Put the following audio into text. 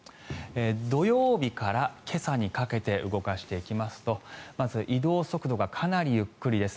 土曜日から今朝にかけて動かしていきますとまず移動速度がかなりゆっくりです。